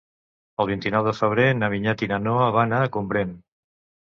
El vint-i-nou de febrer na Vinyet i na Noa van a Gombrèn.